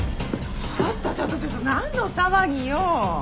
ちょっとちょっとちょっと何の騒ぎよ。